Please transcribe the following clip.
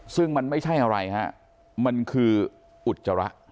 ซึ่งมันไม่ใช่อะไรฮะมันคืออุจจาระ